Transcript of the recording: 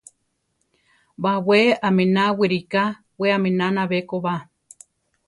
Bawé aminá wiriká, we aminána bekoba.